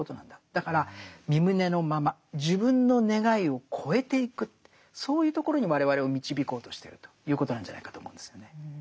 だからみ旨のまま自分の願いを超えていくそういうところに我々を導こうとしてるということなんじゃないかと思うんですよね。